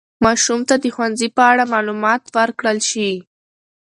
ماشوم ته د ښوونځي په اړه معلومات ورکړل شي.